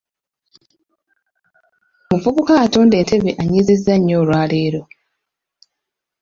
Omuvubuka atunda entebe annyiizizza nnyo olwaleero.